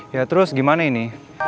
ya terus gimana ini